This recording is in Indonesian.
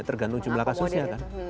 tergantung jumlah kasusnya kan